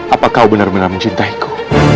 apa kau benar benar mencintaiku